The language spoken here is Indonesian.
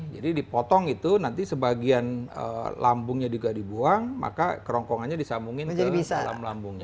jadi dipotong itu nanti sebagian lambungnya juga dibuang maka kerongkongannya disambungin ke dalam lambungnya